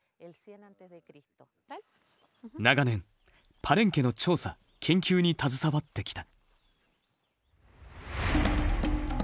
長年パレンケの調査研究に携わってきた。